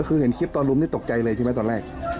คือเห็นคลิปตอนลุมนี่ตกใจเลยใช่ไหมตอนแรก